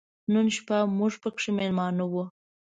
نن شپه موږ پکې مېلمانه و.